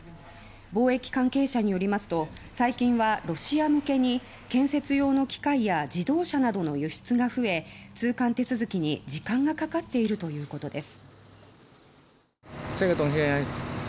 貿易関係者によりますと最近はロシア向けに建設用の機械や自動車などの輸出が増え通関手続きに時間がかかっているということです。